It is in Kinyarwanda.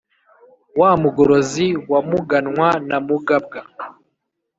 wa mugorozi wa muganwa na mugabwa,